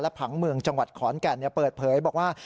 ผังเมืองจังหวัดขอนแก่นเปิดเผยบอกว่า